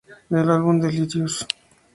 Del álbum Delirious?